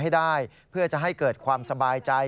ให้ได้เพื่อจะให้เกิดความสบายใจ